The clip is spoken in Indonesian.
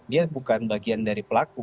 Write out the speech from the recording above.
dia bukan bagian dari pelaku